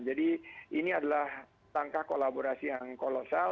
jadi ini adalah tangkah kolaborasi yang kolosal